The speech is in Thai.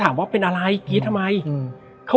และวันนี้แขกรับเชิญที่จะมาเชิญที่เรา